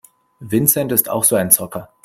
Vincent ist auch so ein Zocker.